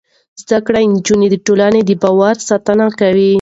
زده کړې نجونې د ټولنې د باور ساتنه کوي.